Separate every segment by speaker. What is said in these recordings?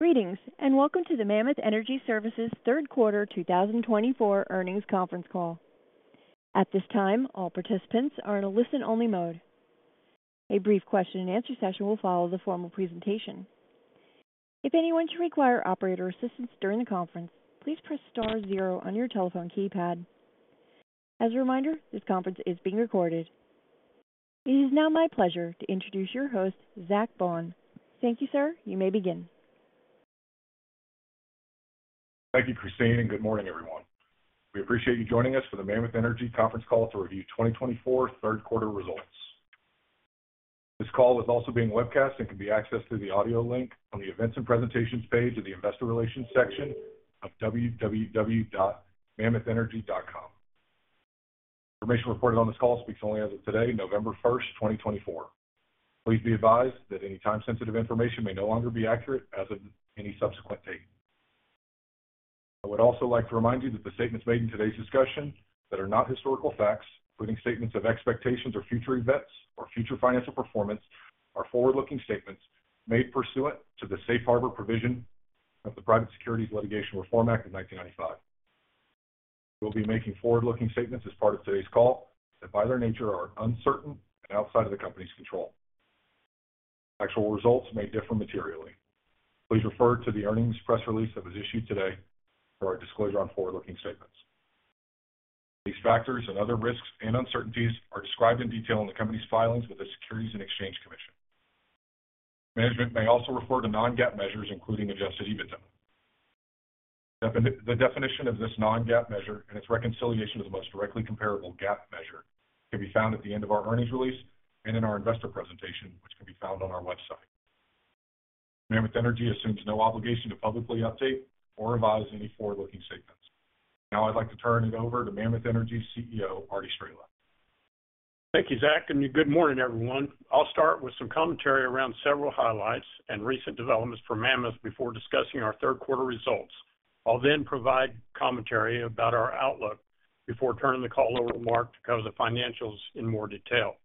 Speaker 1: Greetings and welcome to the Mammoth Energy Services Third Quarter 2024 Earnings Conference Call. At this time, all participants are in a listen-only mode. A brief Q&A will follow the formal presentation. If anyone should require operator assistance during the conference, please press star zero on your telephone keypad. As a reminder, this conference is being recorded. It is now my pleasure to introduce your host, Zach Vaughan. Thank you, sir. You may begin.
Speaker 2: Thank you, Christine, and good morning, everyone. We appreciate you joining us for the Mammoth Energy Conference Call to review 2024 third quarter results. This call is also being webcast and can be accessed through the audio link on the events and presentations page of the investor relations section of www.mammothenergy.com. Information reported on this call speaks only as of today, November 1st, 2024. Please be advised that any time-sensitive information may no longer be accurate as of any subsequent date. I would also like to remind you that the statements made in today's discussion that are not historical facts, including statements of expectations or future events or future financial performance, are forward-looking statements made pursuant to the Safe Harbor Provision of the Private Securities Litigation Reform Act of 1995. We'll be making forward-looking statements as part of today's call that, by their nature, are uncertain and outside of the company's control. Actual results may differ materially. Please refer to the earnings press release that was issued today for our disclosure on forward-looking statements. These factors and other risks and uncertainties are described in detail in the company's filings with the Securities and Exchange Commission. Management may also refer to non-GAAP measures, including Adjusted EBITDA. The definition of this non-GAAP measure and its reconciliation to the most directly comparable GAAP measure can be found at the end of our earnings release and in our investor presentation, which can be found on our website. Mammoth Energy assumes no obligation to publicly update or revise any forward-looking statements. Now, I'd like to turn it over to Mammoth Energy CEO, Arty Straehla.
Speaker 3: Thank you, Zach, and good morning, everyone. I'll start with some commentary around several highlights and recent developments for Mammoth before discussing our third quarter results. I'll then provide commentary about our outlook before turning the call over to Mark to cover the financials in more detail.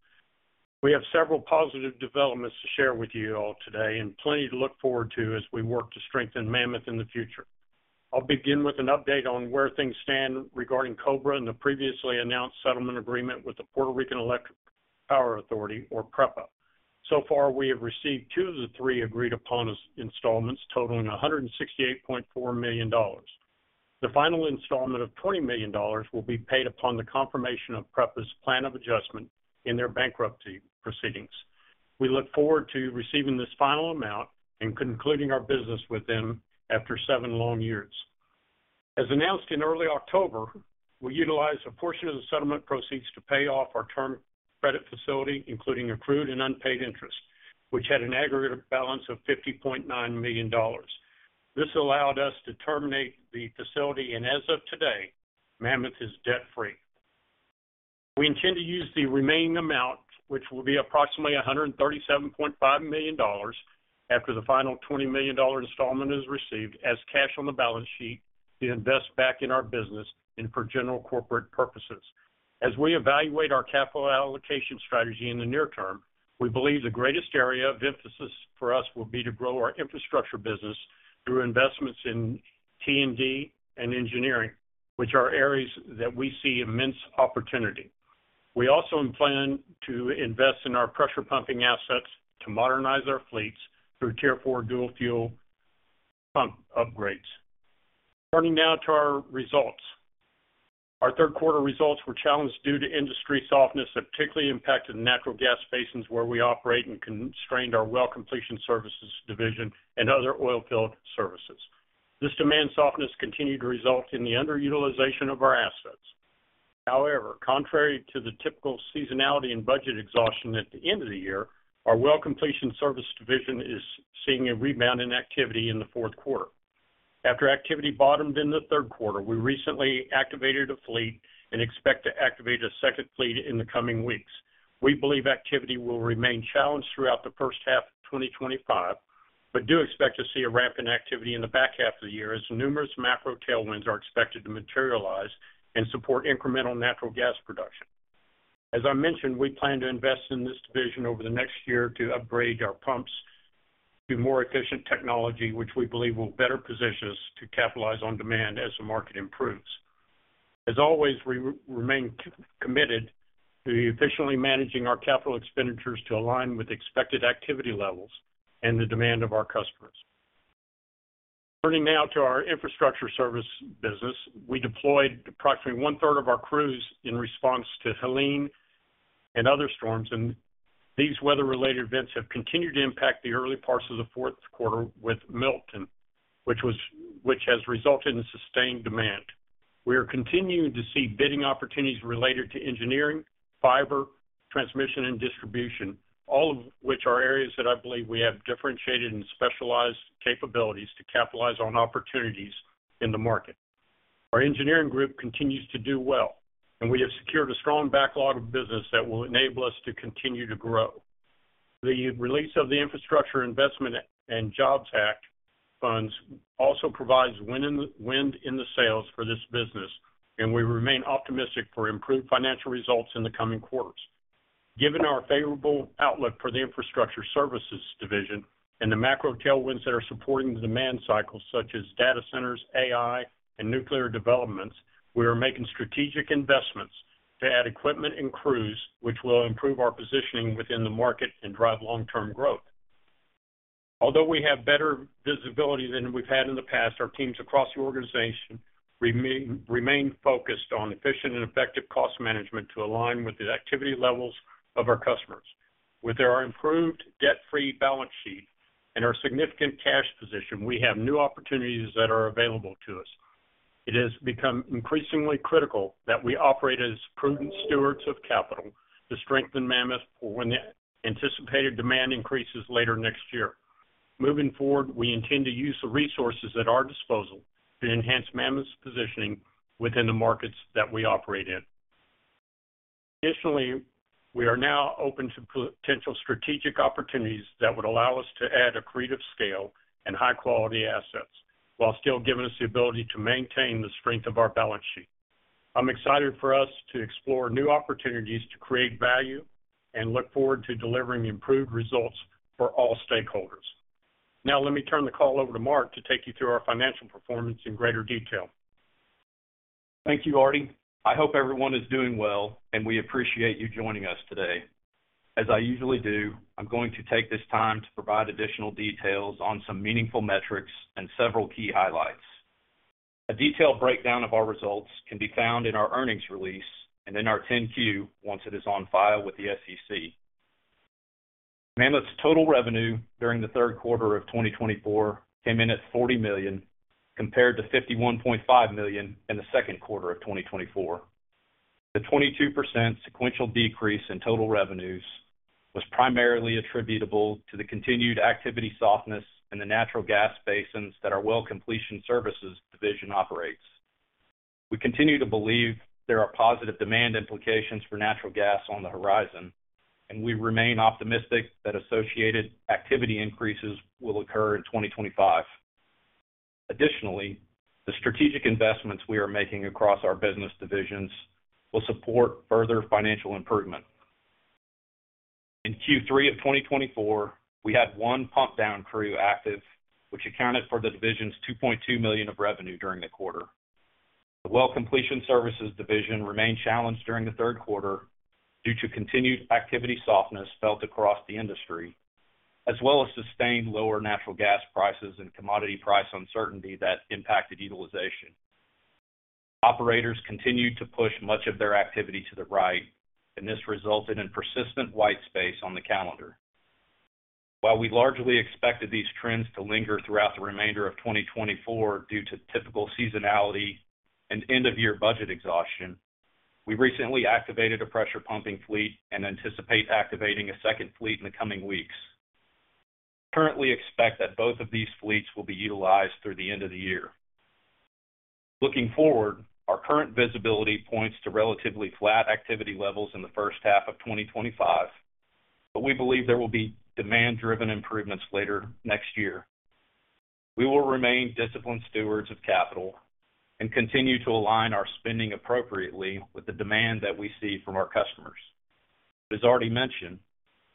Speaker 3: We have several positive developments to share with you all today and plenty to look forward to as we work to strengthen Mammoth in the future. I'll begin with an update on where things stand regarding Cobra and the previously announced settlement agreement with the Puerto Rico Electric Power Authority, or PREPA. So far, we have received two of the three agreed-upon installments totaling $168.4 million. The final installment of $20 million will be paid upon the confirmation of PREPA's plan of adjustment in their bankruptcy proceedings. We look forward to receiving this final amount and concluding our business with them after seven long years. As announced in early October, we utilized a portion of the settlement proceeds to pay off our term credit facility, including accrued and unpaid interest, which had an aggregate balance of $50.9 million. This allowed us to terminate the facility, and as of today, Mammoth is debt-free. We intend to use the remaining amount, which will be approximately $137.5 million after the final $20 million installment is received, as cash on the balance sheet to invest back in our business and for general corporate purposes. As we evaluate our capital allocation strategy in the near term, we believe the greatest area of emphasis for us will be to grow our infrastructure business through investments in T&D and engineering, which are areas that we see immense opportunity. We also plan to invest in our pressure pumping assets to modernize our fleets through Tier 4 dual-fuel pump upgrades. Turning now to our results. Our third quarter results were challenged due to industry softness that particularly impacted the natural gas basins where we operate and constrained our well completion services division and other oilfield services. This demand softness continued to result in the underutilization of our assets. However, contrary to the typical seasonality and budget exhaustion at the end of the year, our well completion services division is seeing a rebound in activity in the fourth quarter. After activity bottomed in the third quarter, we recently activated a fleet and expect to activate a second fleet in the coming weeks. We believe activity will remain challenged throughout the first half of 2025, but do expect to see a ramp in activity in the back half of the year as numerous macro tailwinds are expected to materialize and support incremental natural gas production. As I mentioned, we plan to invest in this division over the next year to upgrade our pumps to more efficient technology, which we believe will better position us to capitalize on demand as the market improves. As always, we remain committed to efficiently managing our capital expenditures to align with expected activity levels and the demand of our customers. Turning now to our infrastructure services business, we deployed approximately one-third of our crews in response to Helene and other storms, and these weather-related events have continued to impact the early parts of the fourth quarter with Milton, which has resulted in sustained demand. We are continuing to see bidding opportunities related to engineering, fiber, transmission, and distribution, all of which are areas that I believe we have differentiated and specialized capabilities to capitalize on opportunities in the market. Our engineering group continues to do well, and we have secured a strong backlog of business that will enable us to continue to grow. The release of the Infrastructure Investment and Jobs Act funds also provides wind in the sails for this business, and we remain optimistic for improved financial results in the coming quarters. Given our favorable outlook for the Infrastructure Services Division and the macro tailwinds that are supporting the demand cycle, such as data centers, AI, and nuclear developments, we are making strategic investments to add equipment and crews, which will improve our positioning within the market and drive long-term growth. Although we have better visibility than we've had in the past, our teams across the organization remain focused on efficient and effective cost management to align with the activity levels of our customers. With our improved debt-free balance sheet and our significant cash position, we have new opportunities that are available to us. It has become increasingly critical that we operate as prudent stewards of capital to strengthen Mammoth when the anticipated demand increases later next year. Moving forward, we intend to use the resources at our disposal to enhance Mammoth's positioning within the markets that we operate in. Additionally, we are now open to potential strategic opportunities that would allow us to add accretive scale and high-quality assets while still giving us the ability to maintain the strength of our balance sheet. I'm excited for us to explore new opportunities to create value and look forward to delivering improved results for all stakeholders. Now, let me turn the call over to Mark to take you through our financial performance in greater detail.
Speaker 4: Thank you, Arty. I hope everyone is doing well, and we appreciate you joining us today. As I usually do, I'm going to take this time to provide additional details on some meaningful metrics and several key highlights. A detailed breakdown of our results can be found in our earnings release and in our 10-Q once it is on file with the SEC. Mammoth's total revenue during the third quarter of 2024 came in at $40 million compared to $51.5 million in the second quarter of 2024. The 22% sequential decrease in total revenues was primarily attributable to the continued activity softness in the natural gas basins that our well completion services division operates. We continue to believe there are positive demand implications for natural gas on the horizon, and we remain optimistic that associated activity increases will occur in 2025. Additionally, the strategic investments we are making across our business divisions will support further financial improvement. In Q3 of 2024, we had one pump-down crew active, which accounted for the division's $2.2 million of revenue during the quarter. The well completion services division remained challenged during the third quarter due to continued activity softness felt across the industry, as well as sustained lower natural gas prices and commodity price uncertainty that impacted utilization. Operators continued to push much of their activity to the right, and this resulted in persistent white space on the calendar. While we largely expected these trends to linger throughout the remainder of 2024 due to typical seasonality and end-of-year budget exhaustion, we recently activated a pressure pumping fleet and anticipate activating a second fleet in the coming weeks. Currently, we expect that both of these fleets will be utilized through the end of the year. Looking forward, our current visibility points to relatively flat activity levels in the first half of 2025, but we believe there will be demand-driven improvements later next year. We will remain disciplined stewards of capital and continue to align our spending appropriately with the demand that we see from our customers. As already mentioned,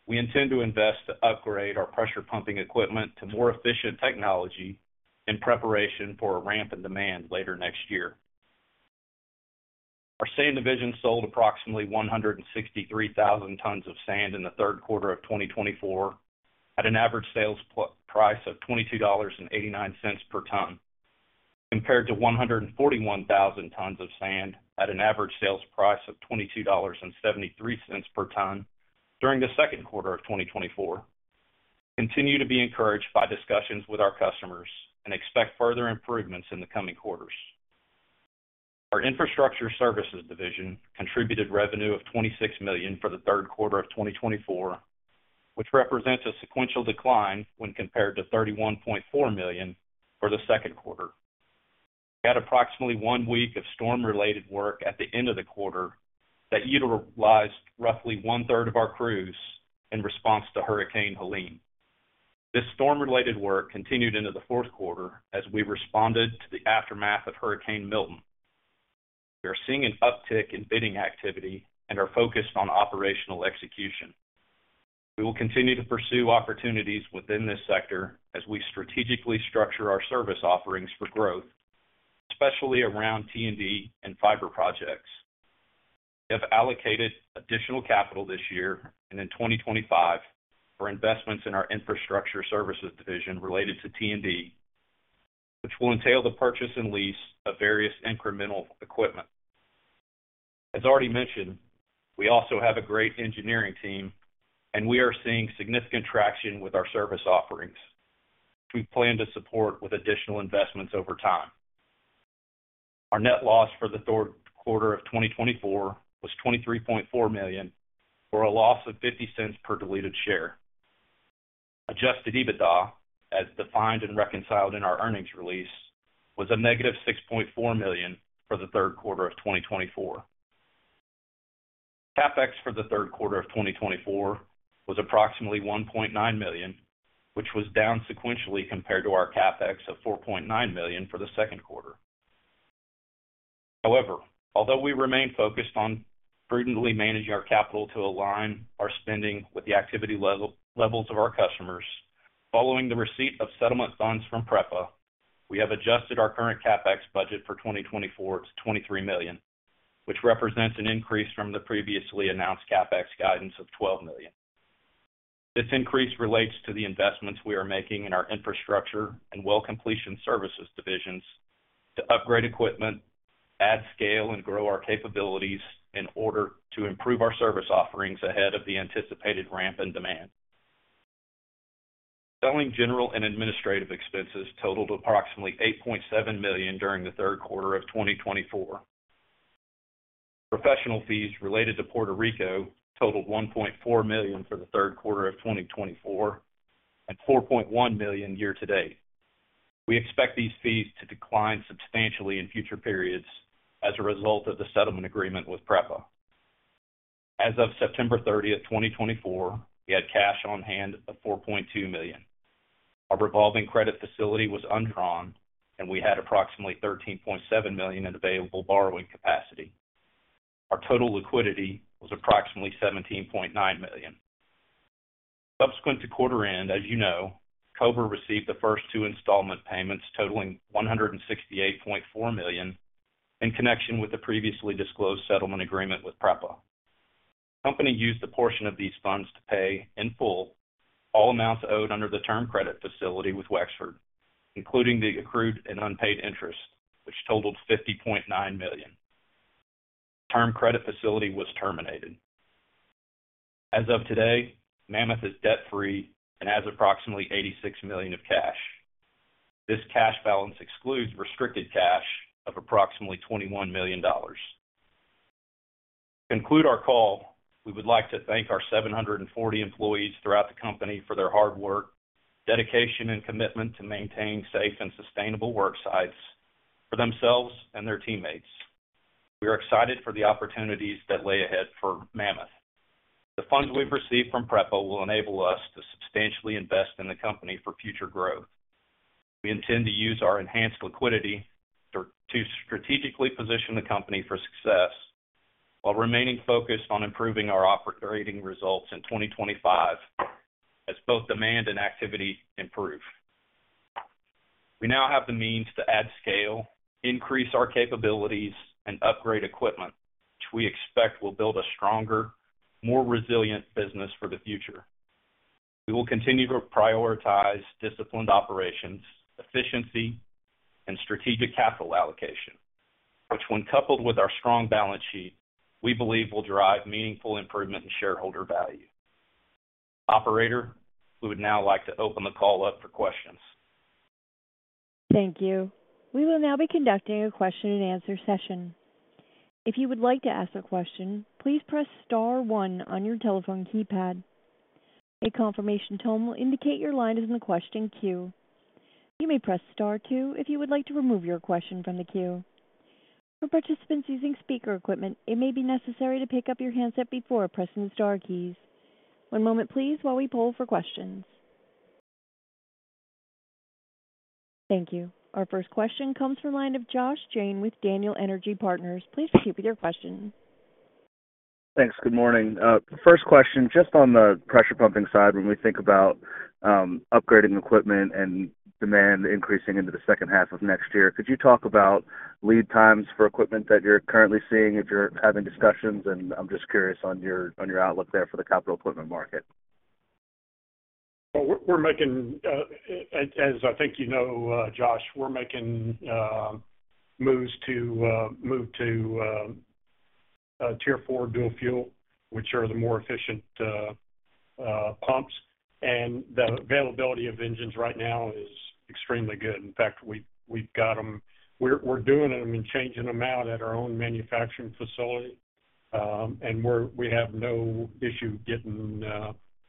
Speaker 4: we intend to invest to upgrade our pressure pumping equipment to more efficient technology in preparation for a ramp in demand later next year. Our sand division sold approximately 163,000 tons of sand in the third quarter of 2024 at an average sales price of $22.89 per ton, compared to 141,000 tons of sand at an average sales price of $22.73 per ton during the second quarter of 2024. We continue to be encouraged by discussions with our customers and expect further improvements in the coming quarters. Our infrastructure services division contributed revenue of $26 million for the third quarter of 2024, which represents a sequential decline when compared to $31.4 million for the second quarter. We had approximately one week of storm-related work at the end of the quarter that utilized roughly one-third of our crews in response to Hurricane Helene. This storm-related work continued into the fourth quarter as we responded to the aftermath of Hurricane Milton. We are seeing an uptick in bidding activity and are focused on operational execution. We will continue to pursue opportunities within this sector as we strategically structure our service offerings for growth, especially around T&D and fiber projects. We have allocated additional capital this year and in 2025 for investments in our infrastructure services division related to T&D, which will entail the purchase and lease of various incremental equipment. As already mentioned, we also have a great engineering team, and we are seeing significant traction with our service offerings, which we plan to support with additional investments over time. Our net loss for the third quarter of 2024 was $23.4 million for a loss of $0.50 per diluted share. Adjusted EBITDA, as defined and reconciled in our earnings release, was a negative $6.4 million for the third quarter of 2024. CapEx for the third quarter of 2024 was approximately $1.9 million, which was down sequentially compared to our CapEx of $4.9 million for the second quarter. However, although we remain focused on prudently managing our capital to align our spending with the activity levels of our customers, following the receipt of settlement funds from PREPA, we have adjusted our current CapEx budget for 2024 to $23 million, which represents an increase from the previously announced CapEx guidance of $12 million. This increase relates to the investments we are making in our infrastructure and well completion services divisions to upgrade equipment, add scale, and grow our capabilities in order to improve our service offerings ahead of the anticipated ramp in demand. Selling general and administrative expenses totaled approximately $8.7 million during the third quarter of 2024. Professional fees related to Puerto Rico totaled $1.4 million for the third quarter of 2024 and $4.1 million year to date. We expect these fees to decline substantially in future periods as a result of the settlement agreement with PREPA. As of September 30, 2024, we had cash on hand of $4.2 million. Our revolving credit facility was undrawn, and we had approximately $13.7 million in available borrowing capacity. Our total liquidity was approximately $17.9 million. Subsequent to quarter-end, as you know, Cobra received the first two installment payments totaling $168.4 million in connection with the previously disclosed settlement agreement with PREPA. The company used a portion of these funds to pay in full all amounts owed under the term credit facility with Wexford, including the accrued and unpaid interest, which totaled $50.9 million. The term credit facility was terminated. As of today, Mammoth is debt-free and has approximately $86 million of cash. This cash balance excludes restricted cash of approximately $21 million. To conclude our call, we would like to thank our 740 employees throughout the company for their hard work, dedication, and commitment to maintaining safe and sustainable work sites for themselves and their teammates. We are excited for the opportunities that lay ahead for Mammoth. The funds we've received from PREPA will enable us to substantially invest in the company for future growth. We intend to use our enhanced liquidity to strategically position the company for success while remaining focused on improving our operating results in 2025 as both demand and activity improve. We now have the means to add scale, increase our capabilities, and upgrade equipment, which we expect will build a stronger, more resilient business for the future. We will continue to prioritize disciplined operations, efficiency, and strategic capital allocation, which, when coupled with our strong balance sheet, we believe will drive meaningful improvement in shareholder value. Operator, we would now like to open the call up for questions.
Speaker 1: Thank you. We will now be conducting a Q&A. If you would like to ask a question, please press star one on your telephone keypad. A confirmation tone will indicate your line is in the question queue. You may press star two if you would like to remove your question from the queue. For participants using speaker equipment, it may be necessary to pick up your handset before pressing the Star keys. One moment, please, while we poll for questions. Thank you. Our first question comes from the line of Josh Jayne with Daniel Energy Partners. Please proceed with your question.
Speaker 5: Thanks. Good morning. First question, just on the pressure pumping side, when we think about upgrading equipment and demand increasing into the second half of next year, could you talk about lead times for equipment that you're currently seeing if you're having discussions? And I'm just curious on your outlook there for the capital equipment market.
Speaker 3: We're making, as I think you know, Josh, we're making moves to move to Tier 4 dual-fuel, which are the more efficient pumps. The availability of engines right now is extremely good. In fact, we've got them. We're doing them and changing them out at our own manufacturing facility, and we have no issue getting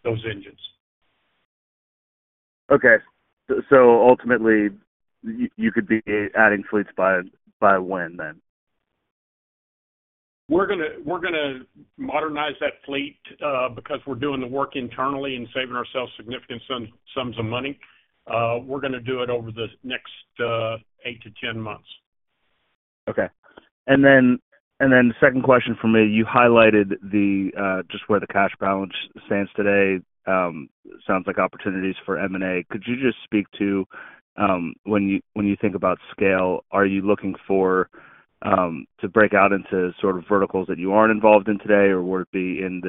Speaker 3: those engines.
Speaker 5: Okay. So ultimately, you could be adding fleets by when then?
Speaker 3: We're going to modernize that fleet because we're doing the work internally and saving ourselves significant sums of money. We're going to do it over the next eight to 10 months.
Speaker 5: Okay. And then the second question for me, you highlighted just where the cash balance stands today. Sounds like opportunities for M&A. Could you just speak to when you think about scale, are you looking to break out into sort of verticals that you aren't involved in today, or would it be in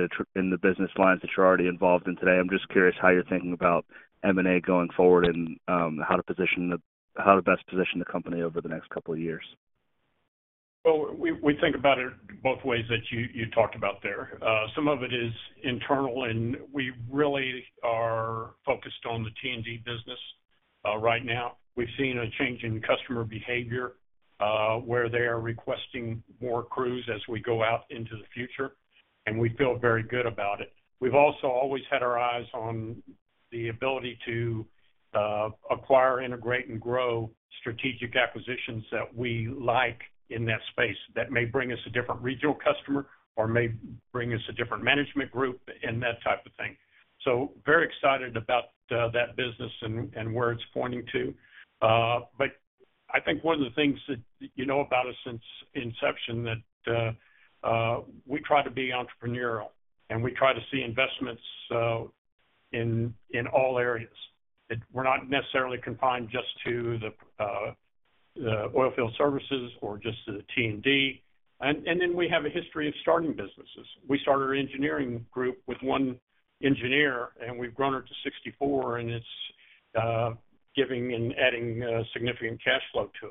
Speaker 5: the business lines that you're already involved in today? I'm just curious how you're thinking about M&A going forward and how to best position the company over the next couple of years.
Speaker 3: We think about it both ways that you talked about there. Some of it is internal, and we really are focused on the T&D business right now. We've seen a change in customer behavior where they are requesting more crews as we go out into the future, and we feel very good about it. We've also always had our eyes on the ability to acquire, integrate, and grow strategic acquisitions that we like in that space that may bring us a different regional customer or may bring us a different management group and that type of thing, so very excited about that business and where it's pointing to, but I think one of the things that you know about us since inception is that we try to be entrepreneurial, and we try to see investments in all areas. We're not necessarily confined just to the oil field services or just to the T&D, and then we have a history of starting businesses. We started an engineering group with one engineer, and we've grown it to 64, and it's giving and adding significant cash flow to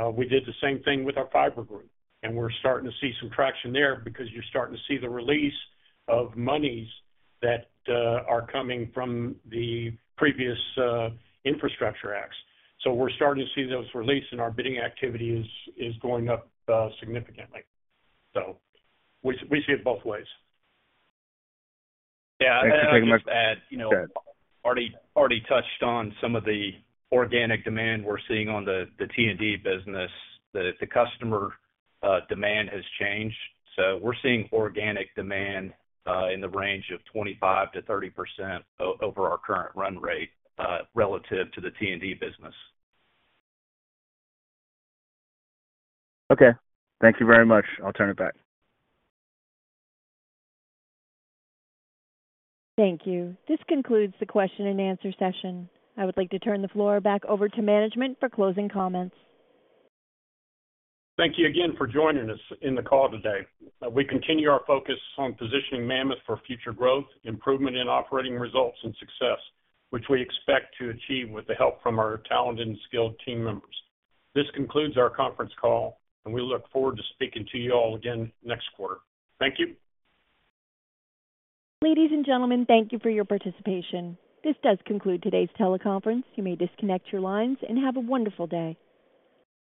Speaker 3: us. We did the same thing with our fiber group, and we're starting to see some traction there because you're starting to see the release of monies that are coming from the previous infrastructure acts. So we're starting to see those release, and our bidding activity is going up significantly, so we see it both ways.
Speaker 5: Yeah. I think you've already touched on some of the organic demand we're seeing on the T&D business. The customer demand has changed. So we're seeing organic demand in the range of 25%-30% over our current run rate relative to the T&D business. Okay. Thank you very much. I'll turn it back.
Speaker 1: Thank you. This concludes the Q&A. I would like to turn the floor back over to management for closing comments.
Speaker 3: Thank you again for joining us in the call today. We continue our focus on positioning Mammoth for future growth, improvement in operating results, and success, which we expect to achieve with the help from our talented and skilled team members. This concludes our conference call, and we look forward to speaking to you all again next quarter. Thank you.
Speaker 1: Ladies and gentlemen, thank you for your participation. This does conclude today's teleconference. You may disconnect your lines and have a wonderful day.